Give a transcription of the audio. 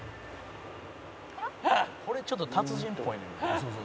「これちょっと達人っぽいねん」